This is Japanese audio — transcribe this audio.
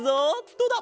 どうだ？